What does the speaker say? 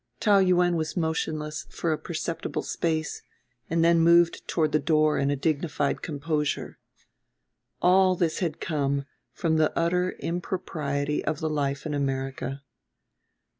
Taou Yuen was motionless for a perceptible space, and then moved toward the door in a dignified composure. All this had come from the utter impropriety of the life in America.